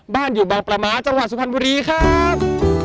บ้านอยู่บางประม้าจังหวัดสุพรรณบุรีครับ